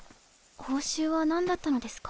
報酬は何だったのですか？